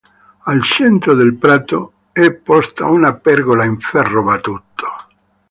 Al centro del prato è posta una pergola in ferro battuto.